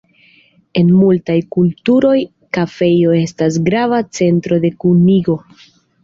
En multaj kulturoj kafejo estas grava centro de kunigo.